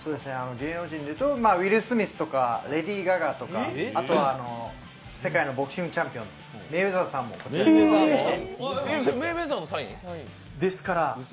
芸能人でいうとウィル・スミスとかレディー・ガガとか、あとは世界のボクシングチャンピオン、メイウェザーさんとか。